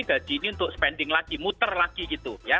gaji ini untuk spending lagi muter lagi gitu ya